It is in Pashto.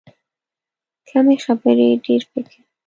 کمې خبرې، ډېر فکر.